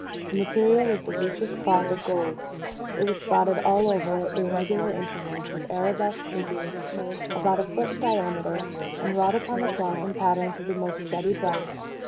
The material was the richest cloth of gold. It was spotted all over, at irregular intervals, with arabesque figures, about a foot in diameter, and wrought upon the cloth in patterns of the most jetty black.